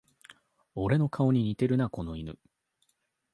俺の顔に似てるな、この犬